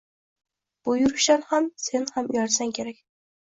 Bu yurishdan sen ham uyalsang kerak.